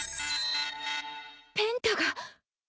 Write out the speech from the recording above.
ペンタが。